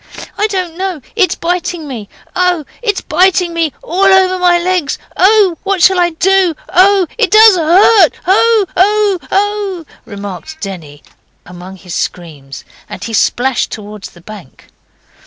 'I don't know, it's biting me. Oh, it's biting me all over my legs! Oh, what shall I do? Oh, it does hurt! Oh! oh! oh!' remarked Denny, among his screams, and he splashed towards the bank.